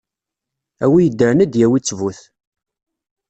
A wi yeddren ad d-yawi ttbut.